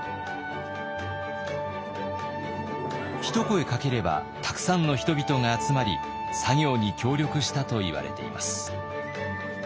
一声かければたくさんの人々が集まり作業に協力したといわれています。